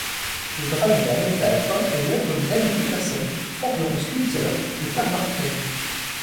Le dragon en métal peint est l’œuvre de David Peterson, forgeron-sculpteur de Carmarthen.